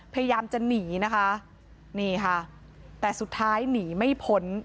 พยายามจะหนีนะคะนี่ค่ะแต่สุดท้ายหนีไม่พ้น